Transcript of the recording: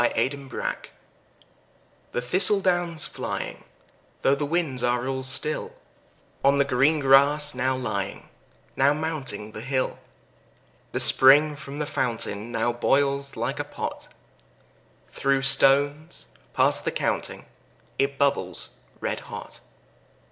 Autumn The thistle down's flying, though the winds are all still, On the green grass now lying, now mounting the hill, The spring from the fountain now boils like a pot; Through stones past the counting it bubbles red hot.